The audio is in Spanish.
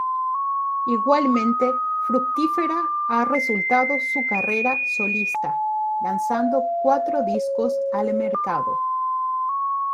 Igualmente fructífera ha resultado su carrera solista, lanzando cuatro discos al mercado.